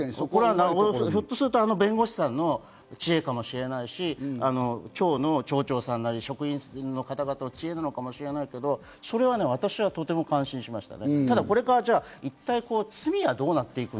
ひょっとすると弁護士さんの知恵かもしれないし、町の町長さんなり、職員の方々の知恵なのかもしれないけれど、私はとても感心しました。